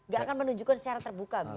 gak akan menunjukkan secara terbuka